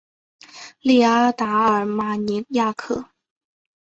利阿达尔马尼亚克。